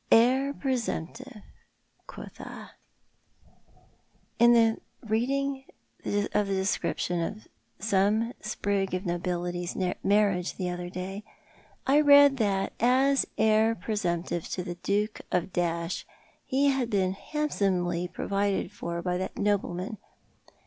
Heir presumptive, quotha ! Tn reading the description of some sprig of nobility's marriage the other day, I read that, as heir presumptive to the Duke of Dash, he had been handsomely provided for by that noble man.